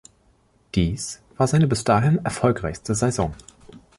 Dies war seine bis dahin erfolgreichste Saison.